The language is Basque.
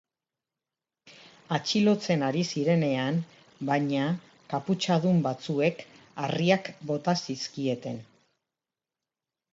Atxilotzen ari zirenean, baina, kaputxadun batzuek harriak bota zizkieten.